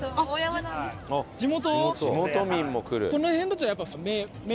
地元？